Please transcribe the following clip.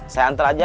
saya antar aja